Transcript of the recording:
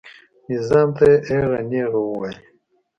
نظام ته یې ایغه نیغه وویله.